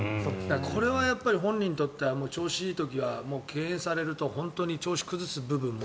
これは本人にとっては調子がいい時は敬遠されると調子を崩す部分も。